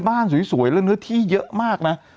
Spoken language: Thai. บ้านสวยสวยมีเนื้อที่เยอะมากนะ